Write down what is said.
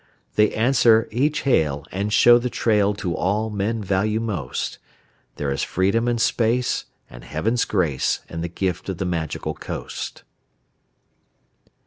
They answer each hail and show the trail To all men value most. There is freedom and space and Heaven's grace In the gift of the Magical Coast.